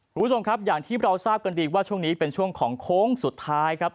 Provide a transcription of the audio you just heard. คุณผู้ชมครับอย่างที่เราทราบกันดีว่าช่วงนี้เป็นช่วงของโค้งสุดท้ายครับ